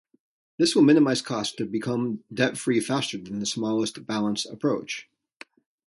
This will minimize costs to become debt-free faster than the smallest-balance approach.